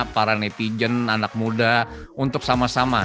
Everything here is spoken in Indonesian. para netizen anak muda untuk sama sama